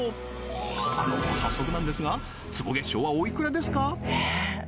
あの早速なんですが坪月商はおいくらですか？